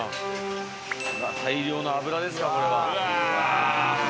大量の油ですかこれは。